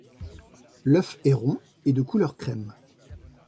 L’œuf est rond et de couleur crème.